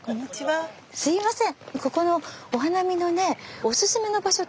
すいません。